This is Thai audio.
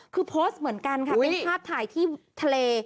คือโพสต์เหมือนกันค่ะเป็นภาพถ่ายที่ทะเล